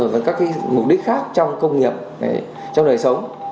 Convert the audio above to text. và các mục đích khác trong công nghiệp trong đời sống